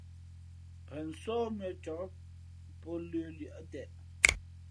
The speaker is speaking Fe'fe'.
Ghen sóh mʉ̄ᾱ cak pǒ lə̌ lʉα teʼ.